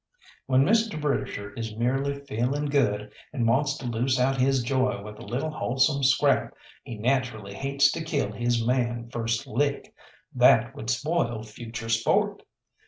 When Mr. Britisher is merely feeling good and wants to loose out his joy with a little wholesome scrap, he naturally hates to kill his man first lick that would spoil future sport.